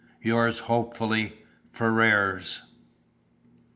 "Yours hopefully, "FERRARS."